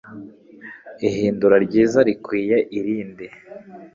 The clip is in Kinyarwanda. Ihinduka ryiza rikwiye irindi